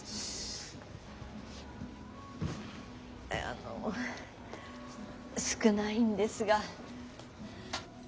あの少ないんですが。